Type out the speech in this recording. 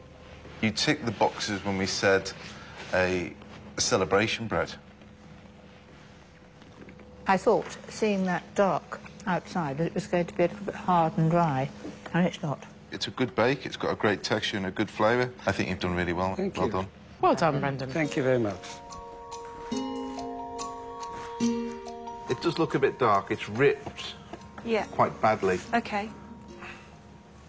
はい。